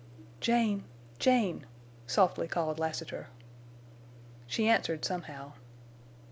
"Jane!... Jane!" softly called Lassiter. She answered somehow.